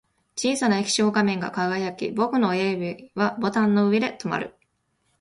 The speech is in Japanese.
小さな液晶画面が輝き、僕の親指はボタンの上で止まる